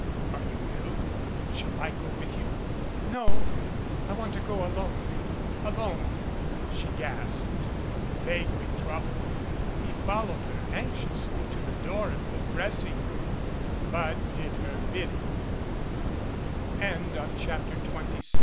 "Are you ill? Shall I go with you?" "No I want to go alone alone " she gasped. Vaguely troubled, he followed her anxiously to the door of the dressing room, but did he